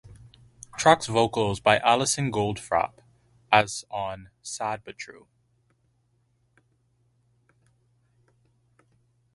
Track's vocals by Alison Goldfrapp, as on "Sad But True".